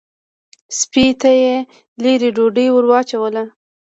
سپۍ ته یې لېرې ډوډۍ ور واچوله.